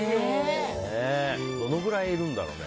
どのくらいいるんだろうね。